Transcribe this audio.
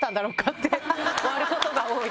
って終わることが多いですかね。